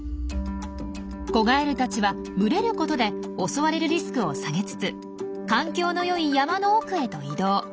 子ガエルたちは群れることで襲われるリスクを下げつつ環境の良い山の奥へと移動。